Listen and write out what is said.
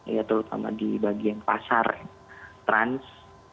ya terutama di bagian pasar trans